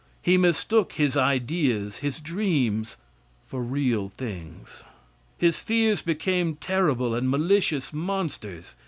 He mistook his ideas, his dream, for real things. His fears became terrible and malicious monsters.